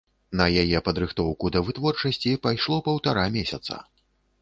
На яе падрыхтоўку да вытворчасці пайшло паўтара месяца.